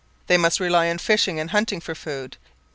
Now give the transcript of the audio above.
They must rely on fishing and hunting for food.